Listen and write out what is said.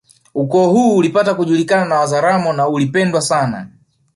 Ukoo huu ulipata kujulikana na Wazaramo na uli pendwa sana